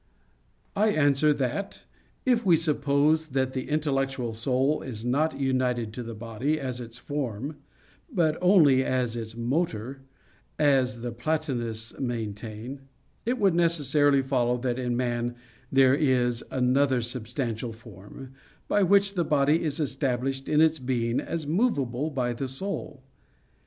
I answer that, If we suppose that the intellectual soul is not united to the body as its form, but only as its motor, as the Platonists maintain, it would necessarily follow that in man there is another substantial form, by which the body is established in its being as movable by the soul.